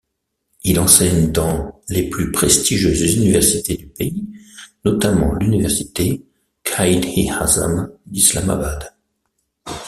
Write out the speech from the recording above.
Il enseigne dans les plus prestigieuses université du pays, notamment l'Université Quaid-i-Azam d'Islamabad.